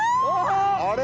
あれ！